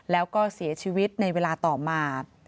แล้วก็เสียชีวิตในเวลาต่อมา